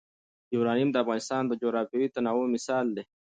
یورانیم د افغانستان د جغرافیوي تنوع مثال دی.